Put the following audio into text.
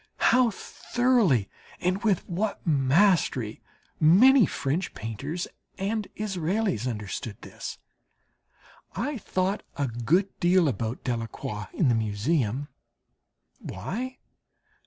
How thoroughly and with what mastery many French painters and Israels understood this! I thought a good deal about Delacroix in the Museum. Why?